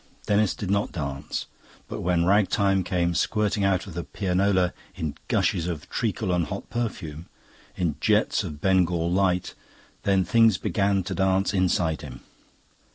Denis did not dance, but when ragtime came squirting out of the pianola in gushes of treacle and hot perfume, in jets of Bengal light, then things began to dance inside him.